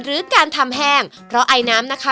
หรือการทำแห้งเพราะไอน้ำนะคะ